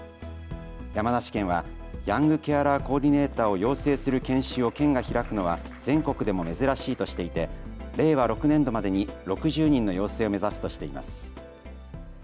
山梨県はヤングケアラー・コーディネーターを養成する研修を県が開くのは全国でも珍しいとしていて令和６年度までに６０人の養成を目指すとしています。